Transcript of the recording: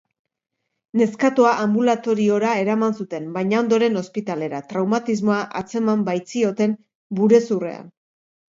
Neskatoa anbulatoriora eraman zuten, baina ondoren ospitalera, traumatismoa atzeman baitzioten burezurrean.